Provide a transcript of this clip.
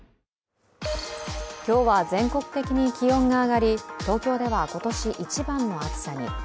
今日は全国的に気温が上がり東京では今年一番の暑さに。